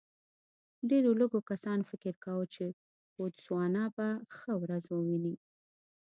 ډېرو لږو کسانو فکر کاوه چې بوتسوانا به ښه ورځ وویني.